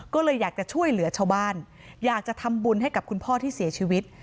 ก็เลยอยากจะช่วยเหลือชาวบ้านอยากจะทำบุญให้กับคุณพ่อที่เสียชีวิต